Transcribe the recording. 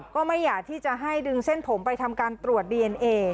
ก็ไม่อยากที่จะให้ดึงเส้นผมไปทำการตรวจดีเอนเอ